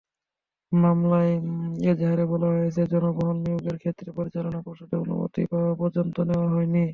মামলার এজাহারে বলা হয়েছে, জনবল নিয়োগের ক্ষেত্রে পরিচালনা পর্ষদের অনুমতি পর্যন্ত নেওয়া হয়নি।